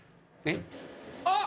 あっ！